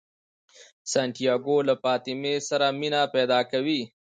سانتیاګو له فاطمې سره مینه پیدا کوي.